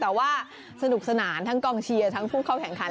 แต่ว่าสนุกสนานทั้งกองเชียร์ทั้งผู้เข้าแข่งขัน